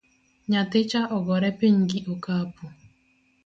Nyathicha ogore piny gi okapu